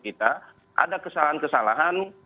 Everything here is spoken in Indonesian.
kita ada kesalahan kesalahan